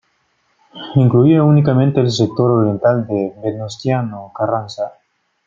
Incluía únicamente el sector oriental de Venustiano Carranza.